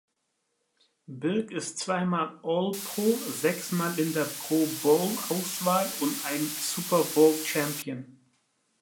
Birk ist zweimal All-Pro, sechsmal in der Pro-Bowl-Auswahl und ein Super-Bowl-Champion.